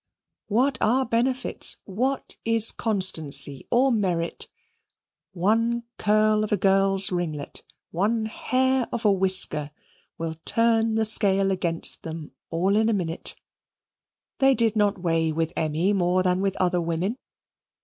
What are benefits, what is constancy, or merit? One curl of a girl's ringlet, one hair of a whisker, will turn the scale against them all in a minute. They did not weigh with Emmy more than with other women.